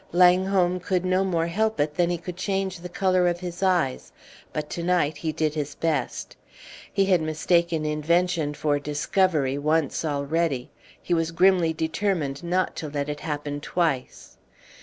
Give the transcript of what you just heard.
Langholm could no more help it than he could change the color of his eyes, but to night he did his best. He had mistaken invention for discovery once already. He was grimly determined not to let it happen twice.